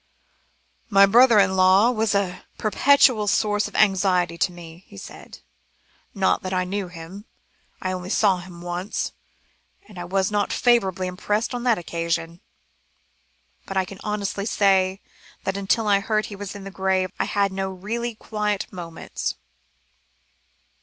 "My brother in law was a perpetual source of anxiety to me," he said; "not that I knew him. I only saw him once, and I was not favourably impressed on that occasion; but I can honestly say that until I heard he was in his grave, I had no really quiet moments."